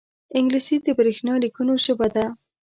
انګلیسي د برېښنا لیکونو ژبه ده